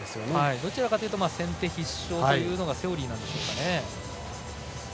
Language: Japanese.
どちらかというのが先手必勝というのがセオリーなんでしょうかね。